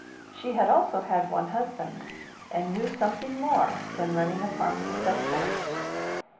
She had also had one husband, and knew something more than running a farm successfully.